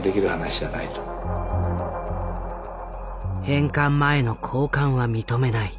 返還前の交換は認めない。